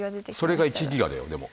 それが１ギガだよでも。